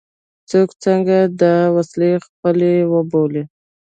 څوک څنګه دا وسیلې خپلې وبولي.